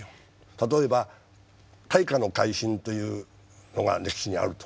例えば「大化の改新」というのが歴史にあると。